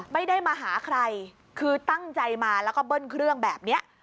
ไม่ได้มาหาใครคือตั้งใจมาแล้วก็เบิ้ลเครื่องแบบนี้